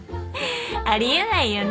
あり得ないよね。